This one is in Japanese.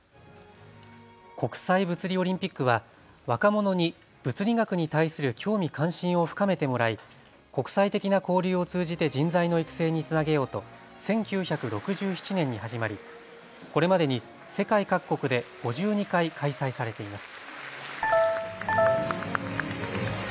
国際物理オリンピックは若者に物理学に対する興味・関心を深めてもらい国際的な交流を通じて人材の育成につなげようと１９６７年に始まりこれまでに世界各国で５２回開催されています。